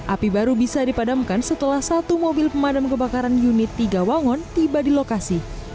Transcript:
api baru bisa dipadamkan setelah satu mobil pemadam kebakaran unit tiga wangon tiba di lokasi